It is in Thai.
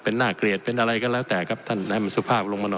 เป็นหน้าเกลียดอะไรแต่จะให้สุภาพลงมาหน่อย